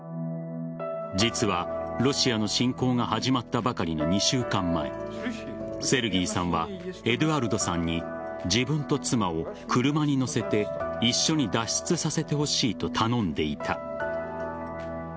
実はロシアの侵攻が始まったばかりの２週間前セルギーさんはエドゥアルドさんに自分と妻を車に乗せて一緒に脱出させてほしいと頼んでいた。